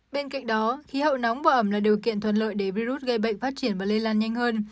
bên cạnh đó khí hậu nóng và ẩm là điều kiện thuận lợi để virus gây bệnh phát triển và lây lan nhanh hơn